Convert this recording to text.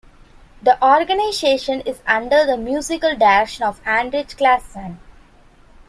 The organization is under the musical direction of Hanrich Claassen.